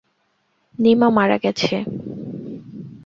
নিমা মারা গেছে।